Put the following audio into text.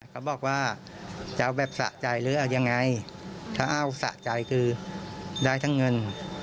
เขาบอกว่าจะเอาแบบสะใจหรือเอายังไงถ้าอ้าวสะใจคือได้ทั้งเงิน